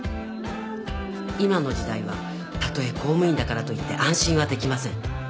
今の時代はたとえ公務員だからといって安心はできません